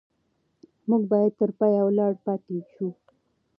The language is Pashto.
موږ باید تر پایه ولاړ پاتې شو.